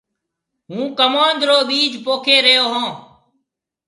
هُون ڪموُند رو ٻِيج پوکي ريو هون۔